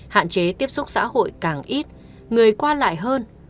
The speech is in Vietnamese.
hạn chế tiếp xúc xã hội càng ít người qua lại hơn